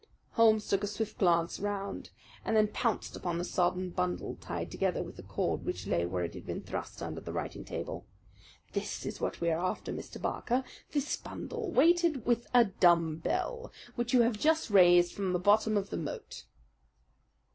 Holmes took a swift glance round, and then pounced upon a sodden bundle tied together with cord which lay where it had been thrust under the writing table. "This is what we are after, Mr. Barker this bundle, weighted with a dumb bell, which you have just raised from the bottom of the moat."